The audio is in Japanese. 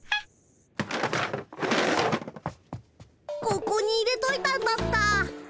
ここに入れといたんだった。